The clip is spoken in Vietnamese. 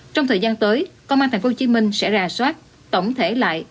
trong thời gian tới công an tp hcm sẽ ra soát tổng thể lại